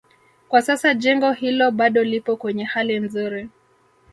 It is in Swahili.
Kwa sasa jengo hilo bado lipo kwenye hali nzuri